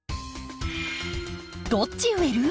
「どっち植える？」